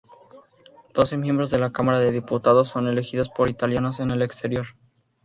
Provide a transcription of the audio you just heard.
Doce miembros de la Cámara de Diputados son elegidos por italianos en el exterior.